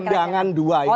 undangan dua ini